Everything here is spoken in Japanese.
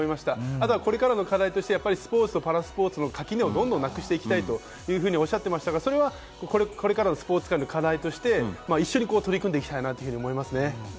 後はこれからの課題として、スポーツとパラスポーツの垣根をどんどんなくしていきたいとおっしゃっていましたが、それはこれからのスポーツ界の課題として、一緒に取り組んでいきたいなと思いますね。